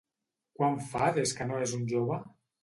Quant fa des que no és un jove?